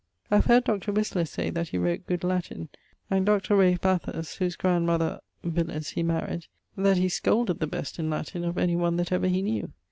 I have heard Dr. Whistler say that he wrote good Latin, and Dr. Ralph Bathurst (whose grandmother, ... Villers, he maried), that he scolded the best in Latin of any one that ever he knew.